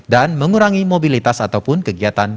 dan mengurangi mobilitas ataupun kegiatan